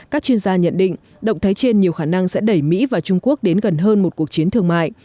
các chuyên gia nhận định động thái trên nhiều khả năng sẽ đẩy mỹ và trung quốc đến gần hơn một cuộc chiến thương mại